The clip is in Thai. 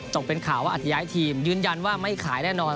ตกเป็นข่าวว่าอัธย้ายทีมยืนยันว่าไม่ขายแน่นอน